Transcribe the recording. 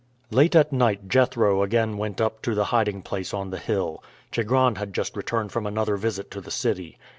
Late at night Jethro again went up to the hiding place on the hill. Chigron had just returned from another visit to the city.